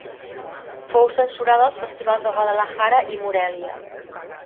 Fou censurada als festivals de Guadalajara i Morelia.